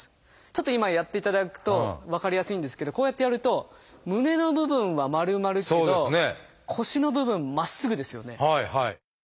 ちょっと今やっていただくと分かりやすいんですけどこうやってやると胸の部分は丸まるけど腰の部分まっすぐですよね。